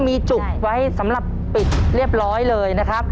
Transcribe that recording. มีจุกไว้สำหรับปิดเรียบร้อยเลยนะครับ